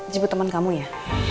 jebet temen kamu ya